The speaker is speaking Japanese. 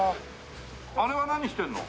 あれは何してんの？